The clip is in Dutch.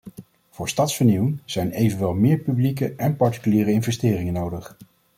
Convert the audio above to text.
Voor stadsvernieuwing zijn evenwel meer publieke en particuliere investeringen nodig.